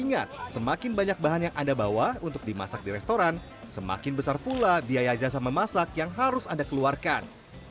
ingat semakin banyak bahan yang anda bawa untuk dimasak di restoran semakin besar pula biaya jasa memasak yang harus anda keluarkan